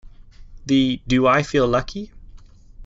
The Do I feel lucky?